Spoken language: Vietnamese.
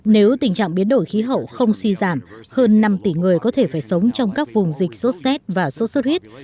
nếu tình trạng biến đổi khí hậu không suy giảm hơn năm tỷ người có thể phải sống trong các vùng dịch sốt z và sốt sốt huyết